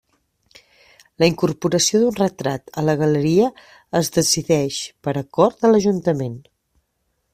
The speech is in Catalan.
La incorporació d'un retrat a la galeria es decideix per acord de l'Ajuntament.